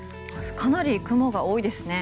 かなり雲が多いですね。